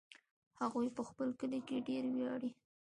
هغوی په خپل کلي ډېر ویاړي